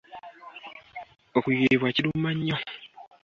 Okuyiibwa kiruma nnyo.